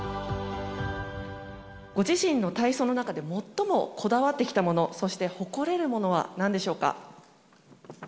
ご自身の体操の中で最もこだわってきたもの、そして誇れるものはなんでしょうか。